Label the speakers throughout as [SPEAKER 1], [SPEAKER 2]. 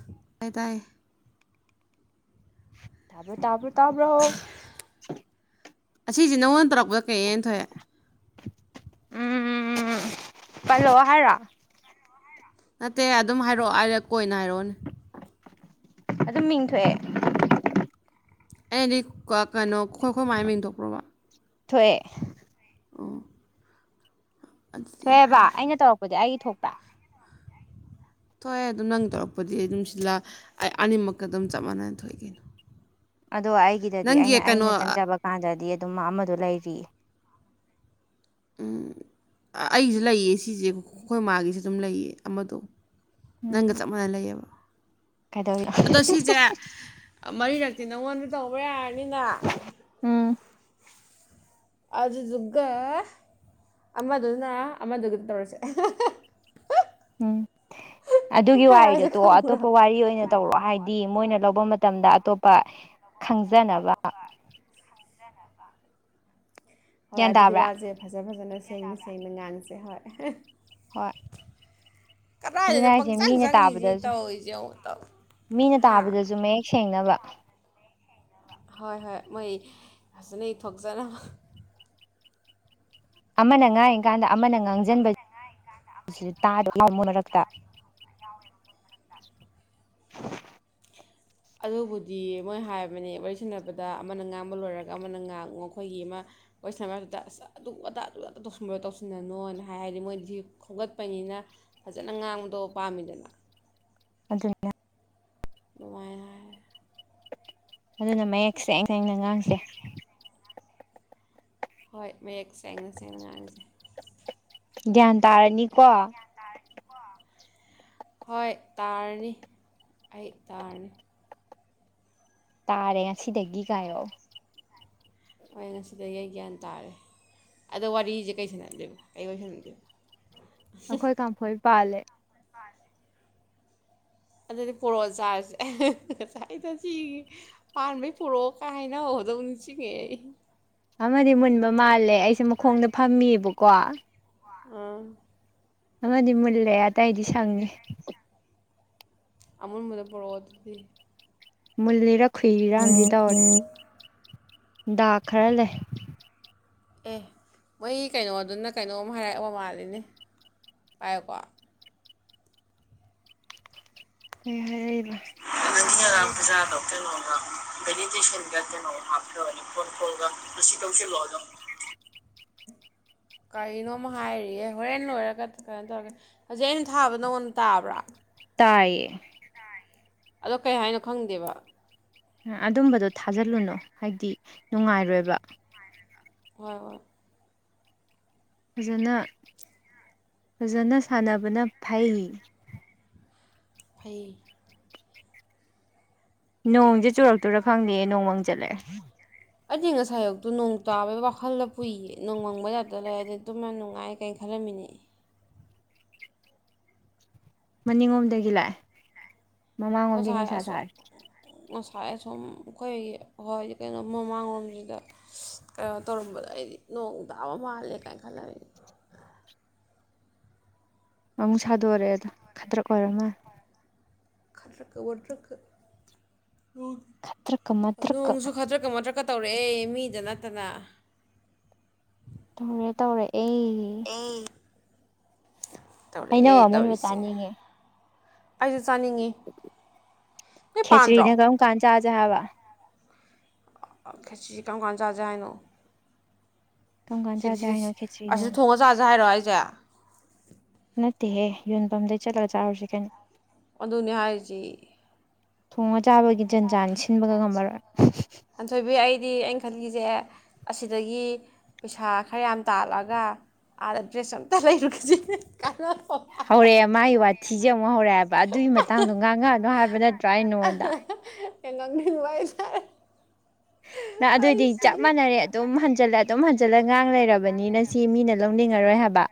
[SPEAKER 1] [unintelligible] ꯇꯥꯏ
[SPEAKER 2] ꯇꯥꯕ꯭ꯔꯣ ꯇꯥꯕ꯭ꯔꯣ ꯇꯥꯕ꯭ꯔꯣ
[SPEAKER 1] ꯑꯁꯤꯁꯦ ꯅꯉꯣꯟꯗ ꯇꯧꯔꯛꯄꯗ ꯀꯩꯑꯅ ꯊꯣꯛꯑꯦ
[SPEAKER 2] ꯎꯝ ꯄꯜꯂꯛꯑꯣ ꯍꯥꯏꯔꯣ
[SPEAKER 1] ꯅꯠꯇꯦ ꯑꯗꯨꯝ ꯍꯥꯏꯔꯛꯑꯣ ꯍꯥꯏꯔꯛ ꯀꯣꯏꯅ ꯍꯥꯏꯔꯛꯑꯣꯅꯦ
[SPEAKER 2] ꯑꯗꯨꯝ ꯃꯤꯡ ꯊꯣꯛꯑꯦ
[SPEAKER 1] ꯑꯩꯅ ꯍꯥꯏꯗꯤ ꯀ ꯀꯩꯅꯣ ꯑꯩꯈꯣꯏ ꯑꯩꯈꯣꯏ ꯃꯥꯏ ꯃꯤꯡ ꯊꯣꯛꯄ꯭ꯔꯣꯕ
[SPEAKER 2] ꯊꯣꯛꯑꯦ
[SPEAKER 1] ꯑꯣ ꯑꯗꯨꯗꯤ
[SPEAKER 2] ꯊꯣꯛꯑꯦꯕ
[SPEAKER 1] ꯌꯥꯔꯦ
[SPEAKER 2] ꯑꯩꯅ ꯇꯧꯔꯛꯄꯗꯤ ꯑꯩꯒꯤ ꯊꯣꯛꯄ [inaudible] [unintelligible]
[SPEAKER 1] ꯊꯣꯛꯑꯦ ꯑꯗꯨꯝ ꯅꯪ ꯇꯧꯔꯛꯄꯗꯤ ꯑꯗꯨꯝ ꯁꯤꯜꯂ ꯑꯅꯤꯃꯛꯛꯇ ꯑꯗꯨꯝ ꯆꯞ ꯃꯥꯟꯅꯅ ꯊꯣꯛꯏ ꯀꯩꯅꯣ
[SPEAKER 2] ꯑꯗꯣ ꯑꯩꯒꯤꯗꯗꯤ
[SPEAKER 1] ꯅꯪꯒꯤ
[SPEAKER 2] ꯑꯩꯅ
[SPEAKER 1] ꯀꯩꯅꯣ
[SPEAKER 2] ꯑꯩꯅ
[SPEAKER 1] ꯑ-
[SPEAKER 2] ꯆꯪꯖꯕ ꯀꯥꯟꯗꯗꯤ ꯑꯗꯨꯃ ꯑꯃꯗꯣ ꯂꯩꯔꯤ
[SPEAKER 1] ꯎꯝ ꯑꯩꯁꯨ ꯂꯩꯌꯦ ꯁꯤꯁꯦ ꯑꯩꯈꯣꯏ ꯃꯥꯒꯤꯁꯨ ꯑꯗꯨꯝ ꯂꯩꯌꯦ ꯑꯃꯗꯣ ꯅꯪꯒ
[SPEAKER 2] ꯎꯝ
[SPEAKER 1] ꯆꯞ ꯃꯥꯟꯅꯅ ꯂꯩꯌꯦꯕ
[SPEAKER 2] ꯀꯩꯗꯧꯔꯤꯅꯣ
[SPEAKER 1] ꯑꯗꯣ ꯁꯤꯁꯦ ꯃꯔꯤꯔꯛꯇꯤ ꯅꯪꯉꯣꯟꯗ ꯇꯧꯕ ꯄꯨꯔ ꯑꯅꯤꯅ
[SPEAKER 2] ꯎꯝ
[SPEAKER 1] ꯑꯗꯨꯗꯨꯒ ꯑꯃꯗꯨꯅ ꯑꯃꯗꯨꯒ ꯇꯧꯔꯁꯦ
[SPEAKER 2] ꯎꯝ ꯑꯗꯨꯒꯤ
[SPEAKER 1] ꯑꯩ ꯍꯥꯏꯁꯦ
[SPEAKER 2] ꯋꯥꯔꯤꯗꯨꯇꯣ
[SPEAKER 1] ꯈꯪꯕ꯭ꯔꯣ
[SPEAKER 2] ꯑꯇꯣꯞꯄ ꯋꯥꯔꯤ ꯑꯣꯏꯅ ꯇꯧꯔꯣ ꯍꯥꯏꯗꯤ ꯃꯣꯏꯅ ꯂꯧꯕ ꯃꯇꯝ ꯃꯇꯝꯗ ꯑꯇꯣꯞꯄ ꯈꯪꯖꯅꯕ
[SPEAKER 1] ꯍꯣꯏ
[SPEAKER 2] ꯒ꯭ꯌꯥꯟ
[SPEAKER 1] ꯑꯗꯨꯗꯤ
[SPEAKER 2] ꯇꯥꯕ꯭ꯔꯥ
[SPEAKER 1] ꯋꯥꯖꯦ ꯐꯖ ꯐꯖꯅ ꯁꯦꯝ ꯁꯦꯝꯃ ꯉꯥꯡꯁꯦ ꯍꯣꯏ꯫
[SPEAKER 2] ꯍꯣꯏ ꯑꯗꯨꯅꯦ
[SPEAKER 1] ꯀꯗꯥꯏꯗꯅꯣ
[SPEAKER 2] ꯍꯥꯏꯁꯦ
[SPEAKER 1] ꯄꯪꯆꯪ
[SPEAKER 2] ꯃꯤꯅ
[SPEAKER 1] ꯆꯪꯉꯤꯁꯤ
[SPEAKER 2] ꯇꯥꯕꯗꯁꯨ
[SPEAKER 1] ꯇꯧꯔꯤꯁꯦ ꯑꯃꯨꯛꯇꯪ
[SPEAKER 2] ꯃꯤꯅ
[SPEAKER 1] ꯍꯥ
[SPEAKER 2] ꯇꯥꯕꯗꯁꯨ ꯃꯌꯦꯛ ꯁꯦꯡꯅꯕ꯫ [inaudible]
[SPEAKER 1] ꯍꯣꯏ - ꯍꯣꯏ ꯃꯣꯏ ꯐꯖꯅ ꯏ ꯊꯣꯛꯆꯅꯕ꯫
[SPEAKER 2] ꯑꯃꯅ ꯉꯥꯉꯤ ꯀꯥꯟꯗ ꯑꯃꯅ ꯉꯥꯡꯖꯟꯕꯁꯤꯁꯨ ꯇꯥꯗ ꯃꯔꯛ ꯃꯔꯛꯇ꯫
[SPEAKER 1] ꯑꯗꯨꯕꯨꯗꯤ ꯃꯣꯏ ꯍꯥꯏꯕꯅꯦ ꯋꯥꯔꯤ ꯁꯥꯟꯅꯕꯗ ꯑꯃꯅ ꯉꯥꯡꯕ ꯂꯣꯏꯔꯒ ꯑꯃꯅ ꯉꯥꯡꯉꯨ ꯑꯩꯈꯣꯏꯒꯤ ꯑꯃ ꯋꯥꯔꯤ ꯁꯥꯟꯅꯕꯗꯨꯗ ꯑꯁ ꯑꯗꯨ ꯑꯗꯥ ꯑꯗꯨ ꯑ ꯇꯧꯁꯤꯟꯕ ꯇꯧꯁꯤꯟꯅꯅꯣꯅ ꯍꯥꯏ ꯍꯥꯏꯗꯤ ꯃꯣꯏꯗꯤ ꯁꯤ ꯈꯣꯝꯒꯠꯄꯅꯤꯅ ꯐꯖꯅ ꯉꯥꯡꯕꯗꯣ ꯄꯥꯝꯃꯤꯗꯅ꯫
[SPEAKER 2] ꯑꯗꯨꯅꯤ꯫
[SPEAKER 1] ꯗꯨꯃꯥꯏ ꯍꯥꯏ
[SPEAKER 2] ꯑꯗꯨꯅ ꯃꯌꯦꯛ ꯁꯦꯡ - ꯁꯦꯡꯅ ꯉꯥꯡꯁꯦ꯫
[SPEAKER 1] ꯍꯣꯏ ꯃꯌꯦꯛ ꯁꯦꯡꯅ- ꯁꯦꯡꯅ ꯉꯥꯡꯖꯦ꯫
[SPEAKER 2] ꯒ꯭ꯌꯥꯟ ꯇꯥꯔꯅꯤꯀꯣ?
[SPEAKER 1] ꯍꯣꯏ ꯇꯥꯔꯅꯤ ꯑꯩ ꯇꯥꯔꯅꯤ꯫
[SPEAKER 2] ꯇꯥꯔꯦ ꯉꯁꯤꯗꯒꯤꯒꯥꯏꯑꯣ꯫
[SPEAKER 1] ꯍꯣꯏ ꯉꯁꯤꯗꯒꯤ ꯑꯩ ꯒ꯭ꯌꯥꯟ ꯇꯥꯔꯦ ꯑꯗꯣ ꯋꯥꯔꯤꯁꯦ ꯀꯩꯁꯥꯟꯅꯗ‌ꯣꯏꯕ ꯀꯩ ꯋꯥꯔꯤ ꯁꯟꯗꯣꯏꯕ?
[SPEAKER 2] ꯑꯈꯣꯏ ꯀꯥꯝꯐꯣꯏ ꯄꯥꯂꯦ
[SPEAKER 1] [unintelligible] ꯑꯗꯨꯗꯤ ꯄꯣꯔꯣ ꯆꯥꯔꯁꯦ ꯉꯁꯥꯏꯗ ꯁꯤ ꯄꯥꯟꯕꯩ ꯄꯣꯔꯛꯑꯣ ꯀ ꯍꯥꯏꯅ ꯍꯧꯕꯗ‌ꯣ ꯅꯤꯡꯁꯤꯡꯉꯛꯑꯦ ꯑꯩ꯫
[SPEAKER 2] ꯑꯃꯗꯤ ꯃꯨꯟꯕ ꯃꯥꯜꯂꯦ ꯑꯩꯁꯦ ꯃꯈꯣꯡꯗ ꯐꯝꯃꯤꯕꯀꯣ
[SPEAKER 1] ꯎꯝ꯫
[SPEAKER 2] ꯑꯃꯗꯤ ꯃꯨꯜꯂꯦ ꯑꯇꯩꯗꯤ ꯁꯪꯉꯦ꯫
[SPEAKER 1] ꯑꯃꯨꯟꯕꯗ‌ꯣ ꯄꯨꯔꯛꯑꯣ ꯑꯗꯨꯗꯤ꯫
[SPEAKER 2] ꯃꯨꯜꯂꯤꯔꯥ
[SPEAKER 1] [unintelligible]
[SPEAKER 2] ꯗꯥꯛ ꯈꯔ ꯂꯩ꯫
[SPEAKER 1] ꯑꯦ ꯃꯣꯏ ꯀꯩꯅꯣꯗꯨꯅ ꯀꯩꯅꯣꯝ ꯍꯥꯏꯔꯛꯑꯕ ꯃꯥꯜꯂꯤꯅꯦ ꯄꯥꯏꯌ‌ꯣꯀꯣ꯫
[SPEAKER 2] ꯀꯩ ꯍꯥꯏꯔꯛ ꯏꯕꯥ
[SPEAKER 1] ꯥ [unintelligible] ꯀꯔꯤꯅꯣ ꯑꯃ ꯍꯥꯏꯔꯤꯑꯦ ꯍꯣꯔꯦꯟ ꯂꯣꯏꯔꯒ ꯀꯩꯅꯣ ꯇꯧꯔꯒꯦ ꯍꯧꯖꯤꯛ ꯑꯩꯅ ꯊꯥꯕ ꯅꯉꯣꯟꯗ ꯇꯥꯕ꯭ꯔꯥ?
[SPEAKER 2] ꯇꯥꯏꯌꯦ꯫
[SPEAKER 1] ꯑꯗꯣ ꯀꯩ ꯍꯥꯏꯅꯣ ꯈꯪꯗꯦꯕ꯫
[SPEAKER 2] ꯑꯗꯨꯝꯕꯗꯣ ꯊꯥꯖꯤꯜꯂꯨꯅꯨ ꯍꯥꯏꯗꯤ ꯅꯨꯡꯉꯥꯏꯔꯣꯏꯕ꯫
[SPEAKER 1] ꯍꯣꯏ - ꯍꯣꯏ꯫
[SPEAKER 2] ꯐꯖꯅ ꯐꯖꯅ ꯁꯥꯟꯅꯕꯅ ꯐꯩ꯫
[SPEAKER 1] ꯐꯩ꯫
[SPEAKER 2] ꯅꯣꯡꯁꯦ ꯆꯨꯔꯛꯇꯨꯏꯔꯥ ꯈꯪꯗꯦ ꯅꯣꯡꯃꯪ ꯖꯜ ꯂꯛꯑ‌ꯦ꯫
[SPEAKER 1] ꯑꯩꯗꯤ ꯉꯁꯥꯏ ꯑꯌꯨꯛꯇ‌ꯣ ꯅꯣꯡ ꯇꯥꯕꯩ ꯋꯥꯈꯜꯗ ꯄꯨꯏꯌꯦ ꯅꯣꯡꯃꯪꯕꯩ ꯇꯥꯏꯞꯇꯥ ꯂꯩ ꯑꯗ ꯇꯨꯝꯕꯥ ꯅꯨꯡꯉꯥꯏ ꯀꯥꯏ ꯈꯜꯂꯝꯃꯤꯅ‌ꯦ
[SPEAKER 2] ꯃꯅꯤꯡꯂꯣꯝꯗꯒꯤ ꯂꯥꯛꯑꯦ ꯃꯃꯥꯡꯂꯣꯝꯗꯤ
[SPEAKER 1] ꯉꯁꯥꯏ
[SPEAKER 2] ꯅꯨꯡꯁꯥ
[SPEAKER 1] ꯑꯁꯣꯝ
[SPEAKER 2] ꯁꯥꯔꯦ
[SPEAKER 1] ꯉꯁꯥꯏ ꯑꯁꯨꯝ ꯑꯩꯈꯣꯏꯒꯤ ꯍꯣꯏ ꯀꯩꯅꯣꯝ ꯃꯃꯥꯡꯂꯣꯝꯁꯤꯗ ꯀꯩꯅꯣ ꯇꯧꯔꯝꯕꯗ ꯑꯩꯗꯤ ꯅꯣꯡ ꯇꯥꯕ ꯃꯥꯜꯂꯦ ꯀꯥꯏꯅ ꯈꯜꯂꯝꯃꯤꯅ‌ꯦ
[SPEAKER 2] ꯑꯃꯨꯛ ꯁꯥꯗꯣꯔꯛꯑꯦꯗꯨ ꯈꯗ꯭ꯔꯛ ꯑꯣꯏꯔ ꯃꯥꯜꯂꯦ
[SPEAKER 1] ꯈꯗꯔꯛꯀ ꯑꯣꯗꯔꯛꯀ
[SPEAKER 2] ꯃꯇ꯭ꯔꯛꯀ ꯃꯇ꯭ꯔꯛꯀ
[SPEAKER 1] ꯅꯣꯡꯁꯨ ꯈꯥꯗꯔꯛꯀꯥ ꯃꯗꯔꯛꯀꯥ ꯀ ꯇꯧꯔꯛꯑꯦ ꯃꯤꯗ ꯅꯠꯇꯅ
[SPEAKER 2] ꯇꯧꯔꯦ ꯇꯧꯔꯦ ꯑꯩ
[SPEAKER 1] ꯑꯦ ꯇꯧꯔꯛꯑꯦ
[SPEAKER 2] ꯍꯩꯅꯧ ꯑꯃꯨꯟꯕ ꯆꯥꯅꯤꯡꯉꯦ
[SPEAKER 1] ꯑꯩꯁꯨꯦ ꯆꯥꯅꯤꯡꯉꯤ ꯅꯣꯏ ꯄꯥꯟꯗ꯭ꯔꯣ
[SPEAKER 2] ꯆꯥꯖꯦ ꯍꯥꯏꯕꯥ
[SPEAKER 1] ꯈꯦꯆꯔꯤ ꯀꯔꯝ ꯀꯥꯟ ꯆꯥꯖꯦ ꯍꯥꯏꯅꯣ
[SPEAKER 2] ꯀꯔꯝ ꯀꯥꯟ ꯆꯥꯁꯦ
[SPEAKER 1] ꯁꯤꯗꯤ ꯁꯤ
[SPEAKER 2] ꯍꯥꯏꯅꯣ ꯈꯦꯆ꯭ꯔꯤꯅ
[SPEAKER 1] ꯑꯁꯤꯗ ꯊꯣꯡꯉ ꯆꯥꯁꯦ ꯍꯥꯏꯔꯣ ꯑꯩ ꯌꯥ
[SPEAKER 2] ꯅꯠꯇꯦꯍꯦ ꯌꯣꯟꯐꯝꯗꯩ ꯆꯠꯂꯒ ꯆꯥꯔꯨꯁꯤ ꯀꯩꯅꯣ
[SPEAKER 1] ꯑꯗꯨꯅꯤ ꯍꯥꯏꯔꯤꯁꯤ
[SPEAKER 2] ꯊꯣꯡꯉ ꯆꯥꯕꯒꯤ ꯖꯟꯖꯥꯟ ꯁꯤꯟꯕꯒ ꯉꯝꯃꯔꯣꯏ
[SPEAKER 1] ꯑꯊꯣꯏꯕꯤ ꯑꯩꯗꯤ ꯈꯟꯒꯤꯁꯦ ꯑꯁꯤꯗꯒꯤ ꯄꯩꯁꯥ ꯈꯔ ꯌꯥꯝ ꯇꯥꯜꯂꯛꯒ ꯑꯥꯗ ꯗ꯭ꯔꯦꯁ ꯑꯝꯇ ꯂꯩꯔꯨꯈꯤꯁꯦ
[SPEAKER 2] ꯍꯧꯔꯦ ꯃꯥꯒꯤ ꯋꯥ ꯊꯤꯖꯡ ꯑꯃꯨꯛ ꯍꯧꯔꯛꯑꯕ ꯑꯗꯨꯒꯤ ꯃꯇꯥꯡꯗꯣ ꯉꯥꯡꯉꯛꯑꯅꯣ ꯍꯥꯏꯕ ꯅꯠꯇ꯭ꯔꯥ ꯑꯩ ꯅꯡꯉꯣꯟꯗ
[SPEAKER 1] ꯍꯦꯛ ꯉꯥꯡꯅꯤꯡꯕꯥ ꯑꯩꯁꯦ
[SPEAKER 2] ꯅ ꯑꯗꯨꯑꯣꯏꯗꯤ ꯆꯞ ꯃꯥꯟꯅꯔꯦ ꯑꯗꯨꯝ ꯍꯟꯖꯤꯜꯂꯦ ꯑꯗꯨꯝ ꯍꯟ ꯆꯠꯂꯉꯥꯡ ꯂꯩꯔꯕꯣ ꯃꯤ ꯃꯥꯁꯤ ꯃꯤꯅ ꯂꯧꯅꯤꯡꯉꯔꯣꯏ ꯍꯥꯏꯕ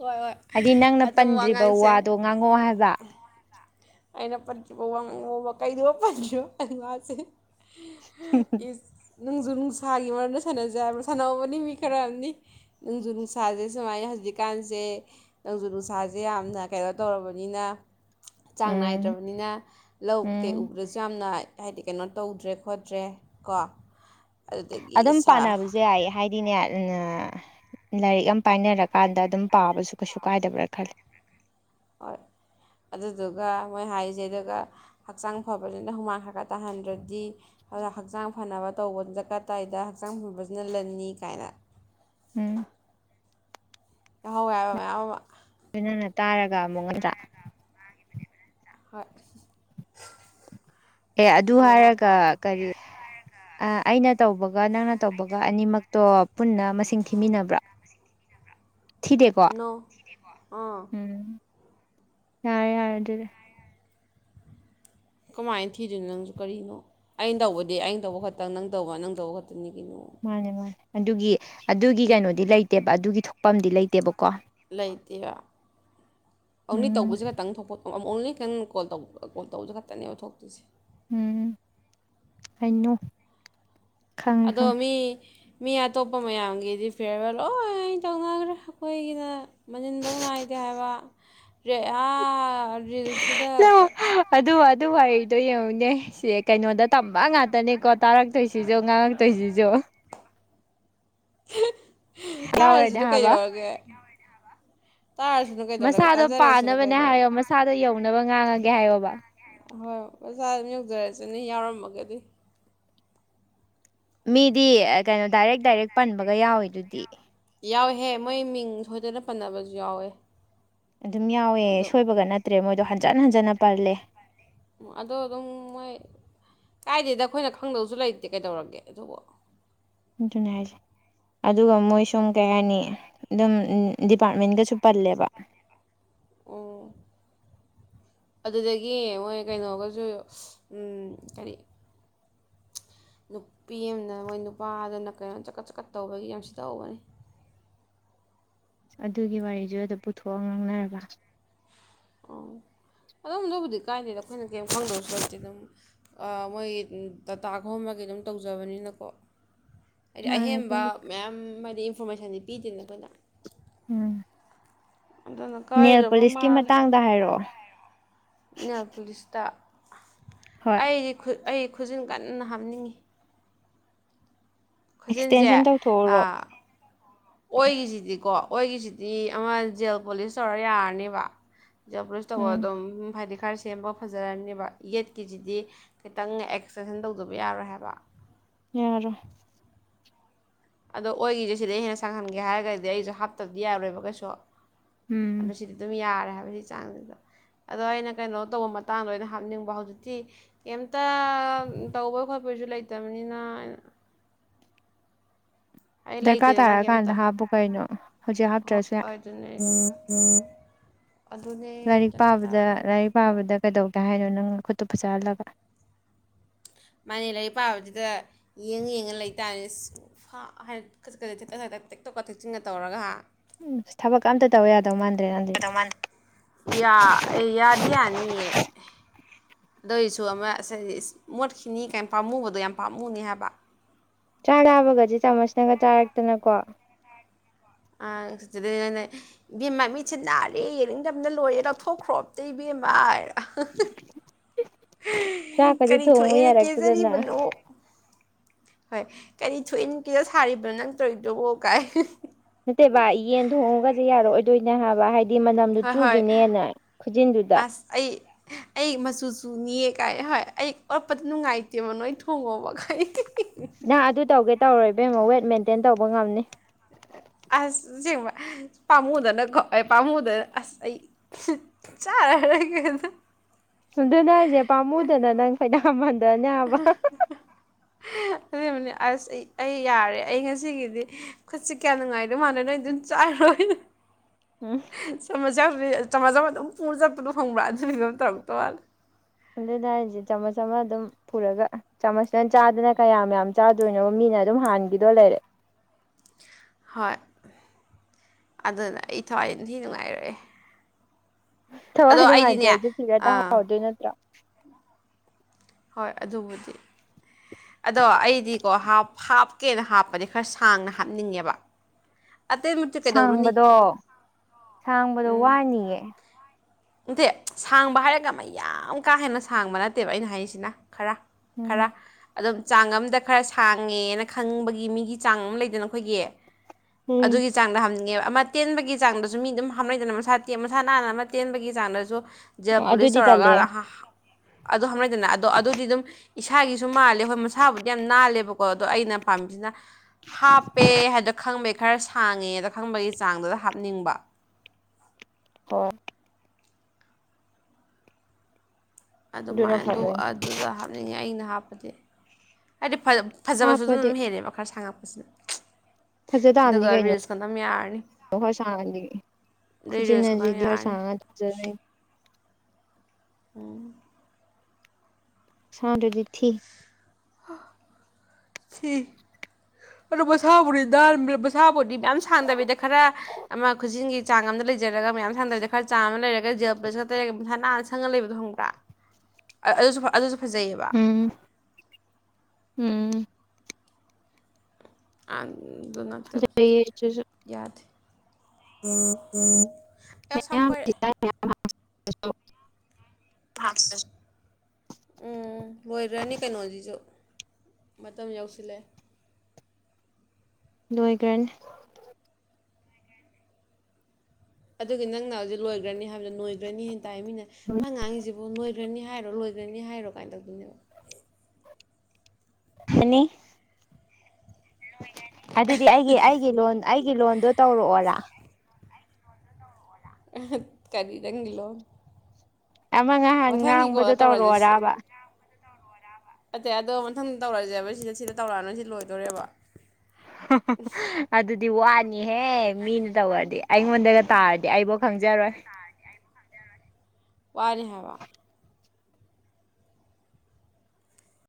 [SPEAKER 1] ꯍꯣꯏ ꯍꯣꯏ
[SPEAKER 2] ꯍꯥꯏꯗꯤ ꯅꯪꯅ
[SPEAKER 1] ꯑꯗꯣ
[SPEAKER 2] ꯄꯟꯗ꯭ꯔꯤꯕ
[SPEAKER 1] ꯋꯥꯉꯥꯡꯁꯦ
[SPEAKER 2] ꯋꯥꯗꯣ ꯉꯥꯡꯉꯛꯑꯣ ꯍꯥꯏꯕ
[SPEAKER 1] ꯑꯩꯅ ꯄꯟꯈꯤꯕꯥ ꯋꯥ ꯉꯥꯡꯉꯛꯑꯣꯕꯨ ꯀꯩ ꯄꯟꯈꯤꯕ ꯄꯜꯂꯥ ꯍꯥꯏꯁꯦ
[SPEAKER 2] [inaudible]
[SPEAKER 1] ꯅꯣꯡꯖꯨ ꯅꯨꯡꯁꯥꯒꯤ ꯃꯔꯝꯗ ꯁꯥꯟꯅꯖꯦ ꯍꯥꯏꯕ ꯁꯥꯟꯅꯍꯧꯕꯅꯤ ꯃꯤ ꯈꯔ ꯅꯣꯡꯖꯨ ꯅꯨꯡꯁꯥꯁꯦ ꯁꯨꯃꯥꯏꯅ ꯍꯧꯖꯤꯛꯀꯥꯟꯁꯦ ꯅꯣꯡꯖꯨ ꯅꯨꯡꯁꯥꯁꯦ ꯌꯥꯝꯅ ꯀꯩꯅꯣ ꯇꯧꯔꯕꯅꯤꯅ ꯆꯥꯡ
[SPEAKER 2] ꯎꯝ
[SPEAKER 1] ꯅꯥꯏꯗ꯭ꯔꯕꯅꯤꯅ ꯂꯧ
[SPEAKER 2] ꯎꯝ
[SPEAKER 1] ꯀꯩ ꯎꯕꯗꯁꯨ ꯌꯥꯝꯅ ꯍꯥꯏꯗꯤ ꯀꯩꯅꯣ ꯇꯧꯗ꯭ꯔꯦ ꯈꯣꯠꯇ꯭ꯔꯦ ꯀꯣ ꯑꯗꯨꯗꯒꯤ
[SPEAKER 2] ꯑꯗꯨꯝ
[SPEAKER 1] ꯁꯥ
[SPEAKER 2] ꯄꯥꯟꯅꯕꯁꯨꯦ ꯌꯥꯏ ꯍꯥꯏꯗꯤꯅꯦ ꯂꯥꯏꯔꯤꯛ ꯑꯃ ꯄꯥꯏꯅꯔꯀꯥꯟꯗ ꯑꯗꯨꯝ ꯄꯥꯕꯁꯨ ꯀꯩꯁꯨ ꯀꯥꯏꯗꯕ꯭ꯔꯥ ꯈꯜꯂꯤ
[SPEAKER 1] ꯍꯣꯏ ꯑꯗꯨꯗꯨꯒ ꯃꯣꯏ ꯍꯥꯏꯔꯤꯁꯦ ꯑꯗꯨꯒ ꯍꯛꯆꯥꯡ ꯐꯕꯁꯤꯅ ꯍꯨꯃꯥꯡ ꯈꯔ ꯈꯔ ꯇꯥꯍꯟꯗ꯭ꯔꯗꯤ ꯍꯛꯆꯥꯡ ꯐꯅꯕ ꯇꯧꯕ ꯗꯔꯀꯥꯔ ꯇꯥꯏꯗ ꯍꯛꯆꯥꯡ ꯐꯕꯁꯤꯅ ꯂꯟꯅꯤ ꯀꯥꯏꯅ
[SPEAKER 2] ꯎꯝ
[SPEAKER 1] ꯇꯥꯍꯧꯋꯦ ꯍꯥꯏꯕ ꯃꯌꯥꯝ ꯑꯃ
[SPEAKER 2] ꯂꯣꯏꯅꯅ ꯇꯥꯔꯒ ꯑꯃꯨꯛ ꯉꯠꯇ꯭ꯔ
[SPEAKER 1] ꯍꯣꯏ
[SPEAKER 2] ꯑꯦ ꯑꯗꯨ
[SPEAKER 1] ꯕꯦꯔꯥ
[SPEAKER 2] ꯍꯥꯏꯔꯒ
[SPEAKER 1] ꯀꯥꯗ꯭ꯔꯣ
[SPEAKER 2] ꯀꯔꯤ ꯑ ꯑꯩꯅ ꯇꯧꯕ ꯒ ꯅꯪꯅ ꯇꯧꯕꯒ ꯑꯅꯤꯃꯛꯇꯣ ꯄꯨꯟꯅ ꯃꯁꯤꯡ ꯊꯤꯃꯤꯟꯅꯕ꯭ꯔꯥ ꯊꯤꯗꯦꯀꯣ
[SPEAKER 1] ꯅꯣ ꯑꯥ
[SPEAKER 2] ꯎꯝ ꯌꯥꯔꯦ ꯌꯥꯔꯦ ꯑꯗꯨꯗꯤ
[SPEAKER 1] ꯀꯃꯥꯏꯅ ꯊꯤꯗꯣꯏꯅꯣ ꯅꯪꯁꯨ ꯀꯔꯤꯅꯣ ꯑꯩꯅ ꯇꯧꯕꯗꯤ ꯑꯩꯅ ꯇꯧꯕ ꯈꯛꯇꯪ ꯅꯪ ꯇꯧꯕ ꯅꯪ ꯇꯧꯕ ꯈꯛꯇꯅꯤ ꯀꯩꯅꯣ
[SPEAKER 2] ꯃꯥꯟꯅꯦ ꯃꯥꯅꯦ ꯑꯗꯨꯒꯤ ꯑꯗꯨꯒꯤ ꯀꯩꯅꯣꯗꯤ ꯂꯩꯇꯦꯕ ꯑꯗꯨꯒꯤ ꯊꯣꯛꯐꯝꯗꯤ ꯂꯩꯇꯦꯕ
[SPEAKER 1] ꯂꯩꯇꯦꯌꯥ ꯑꯣꯡꯂꯤ
[SPEAKER 2] ꯎꯝ
[SPEAKER 1] ꯇꯧꯕꯁꯤ ꯈꯇꯪ ꯊꯣꯛꯄ ꯑꯣꯡꯂꯤ ꯀꯦꯟ ꯀꯣꯜ ꯇꯧꯕ ꯀꯣꯜ ꯇꯧꯕꯁꯦ ꯈꯛꯇꯅꯦꯕ ꯊꯣꯛꯇꯣꯏꯁꯦ
[SPEAKER 2] ꯎꯝ ꯑꯩ ꯅꯣ
[SPEAKER 1] ꯑꯗꯣ ꯃꯤ ꯃꯤ ꯑꯇꯣꯞꯄ ꯃꯌꯥꯝꯒꯤꯗꯤ ꯐꯤꯌꯔꯋꯦꯜ ꯂꯣꯏꯅ ꯇꯧꯅꯈ꯭ꯔꯦ ꯑꯩꯈꯣꯏꯒꯤꯅ ꯃꯅꯤꯟ ꯐꯧ ꯅꯥꯏꯗꯦ ꯍꯥꯏꯕ ꯔꯦ ꯑꯥ ꯔꯤꯜꯁꯁꯤꯗ
[SPEAKER 2] ꯑꯗꯨ ꯑꯗꯨ ꯋꯥꯍꯩꯗꯣ ꯌꯦꯡꯉꯣ ꯅꯦ ꯁꯤ ꯀꯩꯅꯣꯗ ꯇꯝꯕ ꯉꯥꯛꯇꯅꯦꯀꯣ ꯇꯥꯔꯛꯇꯣꯏꯁꯤꯁꯨ ꯉꯥꯡꯉꯛꯇꯣꯏꯁꯤꯁꯨ
[SPEAKER 1] [unintelligible]
[SPEAKER 2] ꯌꯥꯎꯔꯅꯦ
[SPEAKER 1] ꯇꯥꯔꯖꯤꯅꯣ
[SPEAKER 2] ꯍꯥꯏꯕ
[SPEAKER 1] ꯀꯩꯗꯧꯔꯒꯦ ꯇꯥꯔꯁꯅꯨ ꯀꯩꯗꯧꯔꯒꯦ
[SPEAKER 2] ꯃꯁꯥꯗꯣ
[SPEAKER 1] ꯇꯥꯖꯔꯁꯅꯨ
[SPEAKER 2] ꯄꯥꯟꯅꯕꯅꯦ
[SPEAKER 1] ꯀꯩꯗꯧꯔꯒꯦ
[SPEAKER 2] ꯍꯥꯏꯌꯣ ꯃꯁꯥꯗꯣ ꯌꯧꯅꯕ ꯉꯥꯡꯒꯦ ꯍꯥꯏꯌꯣꯕ
[SPEAKER 1] ꯍꯣꯏ ꯃꯁꯥ ꯑꯗꯨꯝ ꯌꯧꯖꯔꯁꯤꯅꯤ ꯌꯥꯎꯔꯝꯃꯒꯗꯤ
[SPEAKER 2] ꯃꯤꯗꯤ ꯀꯩꯅꯣ ꯗꯥꯏꯔꯦꯛ ꯗꯥꯏꯔꯦꯛ ꯄꯟꯕꯒ ꯌꯥꯎꯋꯤ ꯗꯨꯗꯤ
[SPEAKER 1] ꯌꯥꯎꯋꯦꯍꯦ ꯃꯣꯏ ꯃꯤꯡ ꯁꯣꯏꯗꯅ ꯄꯟꯅꯕꯁꯨ ꯌꯥꯎꯋꯦ
[SPEAKER 2] ꯑꯗꯨꯝ ꯌꯥꯎꯋꯦ
[SPEAKER 1] ꯑꯗꯣ
[SPEAKER 2] ꯁꯣꯏꯕꯒ ꯅꯠꯇ꯭ꯔꯦ ꯃꯣꯏ ꯑꯗꯣ ꯍꯟꯖꯟ ꯍꯟꯖꯟꯅ ꯄꯜꯂꯦ
[SPEAKER 1] ꯑꯗꯣ ꯑꯗꯨꯝ ꯃꯣꯏ ꯀꯥꯏꯗꯦꯗ ꯑꯩꯈꯣꯏꯅ ꯈꯪꯗꯧꯁꯨ ꯂꯩꯇꯦ ꯀꯩꯗꯧꯔꯒꯦ ꯑꯗꯨꯕꯨ
[SPEAKER 2] ꯑꯗꯨꯅꯦ ꯍꯥꯏꯁꯦ ꯑꯗꯨꯒ ꯃꯣꯏ ꯁꯨꯝ ꯀꯩ ꯍꯥꯏꯅꯤ ꯑꯗꯨꯝ ꯗꯤꯄꯥꯔꯠꯃꯦꯟꯒꯁꯨ ꯄꯜꯂꯦꯕ
[SPEAKER 1] ꯑꯣ ꯑꯗꯨꯗꯒꯤ ꯃꯣꯏ ꯀꯩꯅꯣꯒꯁꯨ ꯎꯝ ꯀꯔꯤ ꯅꯨꯄꯤ ꯑꯃꯅ ꯃꯣꯏ ꯅꯨꯄꯥꯗꯨꯅ ꯀꯩꯅꯣꯝ ꯆꯀꯠ ꯆꯀꯠ ꯇꯧꯕꯒꯤ ꯌꯥꯝ ꯁꯤꯇꯍꯧꯕꯅꯤ
[SPEAKER 2] ꯑꯗꯨꯒꯤ ꯋꯥꯔꯤꯁꯨ ꯑꯗ ꯄꯨꯊꯣꯛꯑꯒ ꯉꯥꯡꯅꯥꯔꯕ
[SPEAKER 1] ꯑꯣ ꯑꯗꯨꯝ ꯑꯗꯨꯕꯨꯗꯤ ꯀꯥꯏꯗꯦꯗ ꯑꯈꯣꯏꯅ ꯀꯩꯝ ꯈꯪꯗꯧꯁꯨ ꯅꯠꯇꯦ ꯑꯗꯨꯝ ꯃꯣꯏ ꯗꯇꯥ ꯈꯣꯝꯕꯒꯤ ꯑꯗꯨꯝ ꯇꯧꯖꯕꯅꯤꯅꯀꯣ ꯍꯥꯏꯗꯤ
[SPEAKER 2] ꯃꯥꯅꯦ
[SPEAKER 1] ꯑꯍꯦꯟꯕ
[SPEAKER 2] ꯑꯗꯨꯕꯨꯗꯤ
[SPEAKER 1] ꯃꯌꯥꯝ ꯃ ꯍꯥꯏꯗꯤ ꯏꯟꯐꯣꯔꯃꯦꯁꯟꯗꯤ ꯄꯤꯗꯦꯅ ꯑꯈꯣꯏꯅ
[SPEAKER 2] ꯎꯝ
[SPEAKER 1] ꯑꯗꯨꯅ
[SPEAKER 2] ꯅꯦꯜ
[SPEAKER 1] ꯀꯥꯏꯗꯕ
[SPEAKER 2] ꯄꯣꯂꯤꯁꯀꯤ
[SPEAKER 1] ꯃꯥꯜꯂꯦ
[SPEAKER 2] ꯃꯇꯥꯡꯗ ꯍꯥꯏꯔꯛꯑꯣ
[SPEAKER 1] ꯅꯦꯜ ꯄꯨꯂꯤꯁꯇ
[SPEAKER 2] ꯍꯣꯏ
[SPEAKER 1] ꯑꯩꯒꯤ ꯈꯨ ꯑꯩ ꯈꯨꯖꯤꯟ ꯀꯟꯅ ꯍꯥꯞꯅꯤꯡꯉꯤ ꯈꯨꯖꯤꯤꯟꯁꯦ
[SPEAKER 2] ꯑꯦꯛꯁꯇꯦꯟꯁꯟ ꯇꯧꯊꯣꯛꯎꯔꯣ
[SPEAKER 1] ꯑꯣꯏꯒꯤꯁꯤꯗꯤꯀꯣ ꯑꯣꯏꯒꯤꯁꯤꯗꯤ ꯑꯃ ꯖꯦꯜ ꯄꯣꯂꯤꯁ ꯇꯧꯔ ꯌꯥꯔꯅꯦꯕ ꯌꯥꯕꯣꯁ ꯇꯧꯕ
[SPEAKER 2] ꯎꯝ
[SPEAKER 1] ꯑꯗꯨ ꯍꯥꯏꯥꯏꯗꯤ ꯈꯔ ꯁꯦꯝꯕ ꯐꯖꯔꯅꯦꯕ ꯌꯦꯠꯀꯤꯁꯤꯗꯤ ꯈꯤꯇꯪ ꯑꯦꯛꯁꯇꯦꯟꯁꯟ ꯇꯧꯖꯕ ꯌꯥꯔꯣꯏ ꯍꯥꯏꯕ
[SPEAKER 2] ꯌꯥꯔꯣ
[SPEAKER 1] ꯑꯗꯣ ꯑꯣꯏꯈꯤꯁꯦ ꯁꯤꯗ ꯍꯦꯟꯅ ꯁꯪꯍꯟꯒꯦ ꯍꯥꯏꯔꯒꯗꯤ ꯑꯩꯁꯨ ꯍꯥꯞꯇꯕꯗꯤ ꯌꯥꯔꯔꯣꯏꯕ ꯀꯩꯁꯨ ꯑ
[SPEAKER 2] ꯎꯝ
[SPEAKER 1] ꯁꯤꯗꯤ ꯇꯝ ꯌꯥꯔ ꯍꯥꯏ ꯍꯥꯏꯕꯒꯤ ꯆꯥꯡꯁꯤꯗ ꯑꯗꯣ ꯑꯩꯅ ꯀꯩꯅꯣ ꯇꯧꯕ ꯃꯇꯥꯡꯗ ꯑ ꯑꯣꯏꯅ ꯍꯥꯞꯅꯤꯡꯕ ꯍꯧꯖꯤꯛꯇꯤ ꯀꯩꯝꯇ ꯇꯧꯕꯣꯏ ꯈꯣꯠꯄꯁꯨ ꯂꯩꯇꯕꯅꯤꯅ ꯑꯩꯅ ꯑꯩ
[SPEAKER 2] ꯗꯔꯀꯥꯔ
[SPEAKER 1] ꯂꯩꯇꯦꯗꯅ
[SPEAKER 2] ꯇꯥꯔꯛꯑꯀꯥꯟꯗ ꯍꯥꯞꯄꯨ ꯀꯩꯅꯣ ꯍꯧꯖꯤꯛ
[SPEAKER 1] ꯍꯣꯏ ꯑꯗꯨ
[SPEAKER 2] ꯍꯥꯞꯇ꯭ꯔꯁꯨ
[SPEAKER 1] ꯑꯗꯨꯅꯦ ꯑꯗꯨꯅꯦ
[SPEAKER 2] ꯂꯥꯏꯔꯤꯛ
[SPEAKER 1] ꯗꯔꯀꯥꯔ
[SPEAKER 2] ꯄꯥꯕꯗ
[SPEAKER 1] ꯇꯥꯔꯀꯥꯟꯗ
[SPEAKER 2] ꯂꯥꯏꯔꯤꯛ
[SPEAKER 1] ꯍꯥꯏꯒꯦ ꯌꯥꯏ
[SPEAKER 2] ꯄꯥꯕꯗ ꯀꯩꯗꯧꯇꯦ ꯍꯥꯏꯅꯣ ꯅꯪ ꯈꯨꯠꯇ ꯐꯖꯥꯍꯜꯂꯒ
[SPEAKER 1] ꯃꯥꯅꯦ ꯂꯥꯏꯔꯤꯛ ꯄꯥꯕꯁꯤꯗ ꯌꯦꯡꯉ ꯌꯦꯡꯉ ꯂꯩꯇꯥꯥꯔꯅꯦ ꯈꯖꯤꯛ ꯈꯖꯤꯛ ꯊꯛ ꯀꯊ ꯊꯛ ꯊꯦꯛꯇꯣꯛ ꯀꯊꯛꯆꯤꯟꯒ ꯇꯧꯔꯒ
[SPEAKER 2] ꯎꯝ ꯊꯕꯛꯀ ꯑꯝꯇ ꯇꯧ ꯌꯥꯗꯧ ꯃꯥꯟꯗ꯭ꯔꯦ ꯅꯪꯗꯤ
[SPEAKER 1] ꯌꯥ ꯑꯦ ꯌꯥꯗꯤ ꯌꯥꯅꯤꯌꯦ ꯑꯗꯨꯏꯁꯨ ꯑꯃ ꯃꯣꯠꯈꯤꯅꯤ ꯀꯩ ꯄꯥꯝꯃꯨꯕꯗꯣ ꯌꯥꯝ ꯄꯥꯝꯃꯨꯅꯤ ꯍꯥꯏꯕ
[SPEAKER 2] ꯆꯥꯛ ꯆꯥꯕꯒꯗꯤ ꯆꯥꯃꯁꯅꯒ ꯆꯥꯔꯛꯇꯅꯀꯣ
[SPEAKER 1] ꯑ ꯑꯗꯨꯗꯩꯗꯤꯅꯦ, ꯏꯕꯦꯝꯃꯥ ꯃꯤꯠꯁꯦ ꯅꯥꯔꯦ ꯗꯝꯅ ꯂꯣꯏꯔꯦ ꯂꯎꯊꯣꯛꯈ꯭ꯔꯣ ꯑꯝꯇ ꯕꯤꯃꯔ [inaudible]
[SPEAKER 2] ꯆꯥꯛꯀꯗꯤ ꯊꯣꯡꯉꯨ ꯌꯥꯔꯛꯇꯗꯅ
[SPEAKER 1] ꯀꯦꯖꯔꯤꯕꯅꯣ ꯍꯣꯏ ꯀꯔꯤ ꯊꯣꯛꯏꯟ ꯀꯦꯖꯥ ꯁꯥꯔꯤꯕꯅꯣ ꯅꯪ ꯇꯧꯔꯤꯗꯣꯕꯣ ꯀꯥꯏ
[SPEAKER 2] ꯅꯠꯇꯦ ꯚ ꯌꯦꯟ ꯊꯣꯡꯉꯣꯒꯁꯦ ꯌꯥꯔꯑꯣꯗꯣꯏꯅꯦ ꯍꯥꯏꯕ ꯍꯥꯏ ꯗꯤ ꯃꯅꯝꯗꯨ
[SPEAKER 1] ꯍꯣꯏ ꯍꯣꯏ
[SPEAKER 2] ꯆꯨꯈꯤꯅꯦꯅ ꯈꯨꯖꯤꯟꯗꯨꯗ
[SPEAKER 1] ꯑꯁ ꯑꯩ ꯑꯩ ꯃꯆꯨꯁꯨꯨꯅꯤꯌꯦ ꯀꯥꯏ ꯍꯣꯏ ꯑꯩ ꯑꯣꯠꯄꯗ ꯅꯨꯡꯉꯥꯏꯇꯦꯕ ꯅꯣꯏ ꯊꯣꯡꯉꯣꯕ ꯀꯥꯏ
[SPEAKER 2] ꯅ ꯑꯗꯨ ꯇꯧꯒꯦ ꯇꯧꯔꯣꯏꯕꯦꯝꯃꯣ ꯋꯦꯠ ꯃꯦꯟꯇꯦꯟ ꯇꯧꯕ ꯉꯝꯅꯤ
[SPEAKER 1] ꯑꯁ ꯑꯁꯦꯡꯕ ꯄꯥꯃꯨꯗꯅꯀꯣ ꯑꯦ ꯄꯥꯝꯃꯨꯗꯅ ꯑꯁ ꯑꯩ ꯆꯥꯔꯔꯣꯏꯒꯦꯗ
[SPEAKER 2] ꯗꯨꯅ ꯍꯥꯏꯁꯦ ꯄꯥꯝꯃꯨꯗꯅ ꯅꯪ ꯐꯅꯌꯥꯝ ꯍꯟ
[SPEAKER 1] ꯑꯗꯨ ꯑꯃꯅꯤꯅꯤ ꯑꯁ ꯑꯩ ꯌꯥꯔꯦ ꯑꯩ ꯉꯁꯤꯒꯤꯗꯤ ꯈꯨꯠꯁꯤ ꯀꯌꯥ ꯅꯨꯡꯉꯥꯏꯗꯣꯏ ꯃꯥꯟꯅ ꯅꯣꯏ ꯑꯗꯨꯝ ꯆꯥꯏꯔꯣ
[SPEAKER 2] ꯎꯝ
[SPEAKER 1] ꯆꯃꯁ ꯌꯥꯎꯗ꯭ꯔ ꯆꯝꯃꯁ ꯑꯃ ꯑꯗꯨꯝ ꯄꯨꯔ ꯆꯠꯄꯗꯣ ꯈꯪꯕ꯭ꯔꯥ ꯑꯗꯨ ꯐꯤꯚꯝ ꯇꯧꯔꯛꯇꯧ ꯋꯥꯠꯂꯤ
[SPEAKER 2] ꯑꯗꯨꯅꯦ ꯍꯥꯏꯁꯦ ꯆꯃꯁ ꯑꯃ ꯗꯨꯝ ꯄꯨꯔꯥꯒ ꯆꯃꯁꯅ ꯆꯥꯗꯅ ꯀꯌꯥꯝ ꯌꯥꯝ ꯆꯥꯗꯣꯏꯅꯣ ꯃꯤꯅ ꯑꯗꯨꯝ ꯍꯥꯟꯒꯤꯗꯧ ꯂꯩꯔꯦ
[SPEAKER 1] ꯍꯣꯏ ꯑꯗꯨꯅ ꯑꯩ ꯊꯋꯥꯏꯅ ꯊꯤ ꯅꯨꯡꯉꯥꯏꯔꯛꯑꯦ ꯑꯗꯣ
[SPEAKER 2] ꯊꯋꯥꯏ
[SPEAKER 1] ꯑꯩꯗꯤꯅꯦ
[SPEAKER 2] ꯅꯨꯡꯉꯥꯏꯇ꯭ꯔꯖꯨ ꯐꯤꯒꯔ
[SPEAKER 1] ꯑꯥ
[SPEAKER 2] ꯇꯥꯍꯧꯗꯣꯏ ꯅꯠꯇ꯭ꯔꯣ [inaudible]
[SPEAKER 1] ꯍꯣꯏ ꯑꯗꯨꯕꯨꯗꯤ ꯑꯗꯣ ꯑꯩꯗꯤꯀꯣ ꯍꯥꯞꯀꯦꯅ ꯍꯥꯞꯄꯗꯤ ꯈꯔ ꯁꯥꯡꯅ ꯍꯥꯞꯅꯤꯡꯉꯦꯕ ꯑꯇꯩ ꯃꯛꯇꯤ ꯀꯩꯗꯧꯔꯨꯅꯤ
[SPEAKER 2] ꯁꯥꯡꯕꯗꯣ ꯁꯥꯡꯕꯗꯣ ꯋꯥꯅꯤꯌꯦ
[SPEAKER 1] ꯅꯇꯦ ꯁꯥꯡꯕ ꯍꯥꯏꯔꯒ ꯃꯌꯥꯝ ꯀꯥ ꯍꯦꯟꯅ ꯁꯥꯡꯕ ꯅꯠꯇꯦꯕ ꯑꯩꯅ ꯍꯥꯏꯔꯤꯁꯦ꯫ ꯅꯥ ꯈꯔ
[SPEAKER 2] ꯎꯝ
[SPEAKER 1] ꯈꯔ ꯑꯗꯨꯝ ꯆꯥꯡ ꯑꯝꯗ ꯈꯔ ꯁꯥꯡꯉꯦꯅ ꯈꯪꯕꯒꯤ ꯃꯤꯒꯤ ꯆꯥꯡ ꯑꯃ ꯂꯩꯗꯅ ꯑꯩꯈꯣꯏꯒꯤ
[SPEAKER 2] ꯎꯝ
[SPEAKER 1] ꯑꯗꯨꯒꯤ ꯆꯥꯡꯗ ꯍꯥꯞꯅꯤꯡꯉꯦꯕ꯫ ꯑꯃ ꯇꯦꯟꯕꯒꯤ ꯆꯥꯡꯗꯁꯨ ꯃꯤ ꯑꯗꯨꯝ ꯍꯥꯝꯅꯩꯗꯅ ꯃꯁꯥ ꯇ ꯃꯁꯥ ꯅꯥꯟꯅ ꯑꯃ ꯇꯦꯟꯕꯒꯤ ꯆꯥꯡꯗꯁꯨ [unintelligible]
[SPEAKER 2] ꯑꯗꯨꯗꯤ ꯇꯜꯂꯦ
[SPEAKER 1] ꯑꯗꯨ ꯈꯟꯕꯔ ꯖꯦꯅ ꯑꯗꯣ ꯑꯗꯨꯗꯤ ꯑꯗꯨꯝ ꯏꯁꯥꯒꯤꯁꯨ ꯃꯥꯜꯂꯦ ꯍꯣꯏ ꯃꯁꯥꯕꯨꯗꯤ ꯌꯥꯝ ꯅꯥꯜꯂꯦꯕꯀꯣ ꯑꯗꯣ ꯑꯩꯅ ꯄꯥꯝꯃꯤꯁꯤꯅ꯫ ꯍꯥꯞꯄꯦ ꯍꯥꯏꯗ ꯈꯪꯕꯩ꯫ ꯈꯔ ꯁꯥꯡꯉꯦꯅ ꯈꯪꯕꯩ ꯆꯥꯡꯗꯨꯗ ꯍꯥꯞꯅꯤꯡꯕ
[SPEAKER 2] ꯍꯣꯏ ꯑꯗꯨꯅ
[SPEAKER 1] ꯑꯗꯨꯃꯥꯏꯅꯗꯨ
[SPEAKER 2] ꯐꯗꯣꯏꯅꯤ
[SPEAKER 1] ꯑꯗꯨꯗ ꯍꯥꯞꯅꯤꯡꯉꯦ ꯑꯩꯅ ꯍꯥꯞ ꯑꯩꯗꯨ ꯐꯖꯕꯁꯨ ꯑꯗꯨꯝꯅ
[SPEAKER 2] ꯍꯥꯞꯄꯗꯤ
[SPEAKER 1] ꯑꯗꯨꯝ ꯍꯦꯜꯂꯦꯕ ꯈꯔ ꯁꯥꯡꯉꯛꯄ꯫ [inaudible]
[SPEAKER 2] ꯐꯖ ꯇꯥꯕꯅꯤ ꯀꯩꯅꯣ ꯈꯔ ꯁꯥꯡꯅꯗꯤ
[SPEAKER 1] ꯑꯗꯩ ꯔꯤꯜꯁ ꯈꯛꯇꯪ
[SPEAKER 2] ꯈꯨꯖꯤꯟꯅꯁꯤꯗꯤ ꯍꯔ
[SPEAKER 1] ꯌꯥꯔꯅꯤ
[SPEAKER 2] ꯁꯥꯡꯅ ꯐꯖꯅꯩ
[SPEAKER 1] ꯎꯝ
[SPEAKER 2] ꯁꯥꯡꯗꯔꯗꯤ ꯊꯤ
[SPEAKER 1] [inaudible] ꯊꯤ ꯑꯗꯣ ꯃꯁꯥꯕꯨꯗꯤ ꯅꯥꯜ ꯃꯁꯥꯕꯨꯗꯤ ꯃꯌꯥꯝ ꯁꯥꯟꯗꯕꯤꯗ ꯈꯔ ꯑꯃ ꯈꯨꯖꯤꯟꯒꯤ ꯆꯥꯡ ꯑꯃꯗ ꯂꯩꯖꯔꯒ ꯃꯌꯥꯝ ꯁꯥꯟꯗꯕꯤꯗ ꯈꯔ ꯆꯥꯡ ꯑꯃꯗ ꯂꯩꯔꯒ ꯅꯦꯜ ꯄꯣꯂꯤꯁꯀ ꯇꯩꯔ ꯃꯁꯥ ꯅꯟꯅ ꯁꯪꯅ ꯂꯩꯕꯗꯣ ꯈꯪꯕ꯭ꯔꯥ ꯑꯗꯨꯁꯨ ꯑꯗꯨ ꯐꯖꯩꯕ
[SPEAKER 2] ꯎꯝ ꯎꯝ
[SPEAKER 1] ꯑꯥ ꯑꯗꯨ ꯅꯠꯇꯕ
[SPEAKER 2] ꯑꯗꯨꯁꯨ
[SPEAKER 1] [unintelligible] ꯌꯥꯝ
[SPEAKER 2] ꯃꯤꯌꯥꯝ ꯀꯥꯏ ꯀꯥꯏ ꯑꯣ [inaudible]
[SPEAKER 1] [unintelligible] ꯎꯝ ꯂꯣꯏꯒꯔꯥꯅꯤ ꯀꯩꯅꯣꯁꯤꯁꯨ꯫ ꯃꯇꯝ ꯌꯧꯁꯤꯜꯂꯦ
[SPEAKER 2] ꯂꯣꯏꯒ꯭ꯔꯅꯤ
[SPEAKER 1] ꯑꯗꯨꯒꯤ ꯅꯪꯅ ꯍꯧꯖꯤꯛ ꯂꯣꯏꯒ꯭ꯔꯅꯤ ꯍꯥꯏꯕꯗ ꯅꯣꯏꯒ꯭ꯔꯅꯤ ꯇꯥꯏꯃꯤꯅ ꯃꯥ ꯉꯥꯡꯉꯤꯁꯤꯕꯨ ꯅꯣꯏꯒ꯭ꯔꯅꯤ ꯍꯥꯏ ꯍꯥꯏꯔꯣ ꯂꯣꯏꯗꯅꯤ ꯍꯥꯏꯔꯣ ꯀꯥꯏ ꯇꯧꯗꯣꯏꯅꯦꯕ
[SPEAKER 2] ꯑꯅꯤ ꯑꯗꯨꯗꯤ ꯑꯩꯒꯤ ꯑꯩꯒꯤ ꯂꯣꯟ ꯑꯩꯒꯤ ꯂꯣꯟꯗꯣ ꯇꯧꯔꯛꯑꯣꯔꯥ
[SPEAKER 1] ꯀꯔꯤꯗ [unintelligible]
[SPEAKER 2] ꯑꯃ ꯉꯍꯥꯟ ꯉꯥꯡꯕꯗꯣ
[SPEAKER 1] ꯇꯧꯔꯁꯦ ꯁꯤ
[SPEAKER 2] ꯇꯧꯔꯛꯑꯣꯔꯕ
[SPEAKER 1] ꯑꯇꯩ ꯑꯗꯣ ꯃꯊꯪ ꯇꯧꯔꯁꯦꯕ ꯁꯤꯗ ꯁꯤꯗ ꯇꯧꯔꯛꯑꯅꯣ ꯁꯤ ꯂꯣꯏꯗꯣꯔꯦꯕ
[SPEAKER 2] ꯑꯗꯨꯗꯤ ꯋꯥꯅꯤꯍꯦ ꯃꯤꯅ ꯇꯧꯔꯗꯤ ꯑꯩꯉꯣꯟꯗꯒ ꯇꯥꯔꯗꯤ ꯑꯩꯕꯧ ꯈꯪꯖꯔꯣꯏ
[SPEAKER 1] ꯋꯥꯅꯤ ꯍꯥꯏꯕ